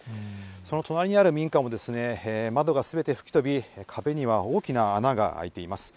その隣にある民家も、窓がすべて吹き飛び、壁には大きな穴が開いています。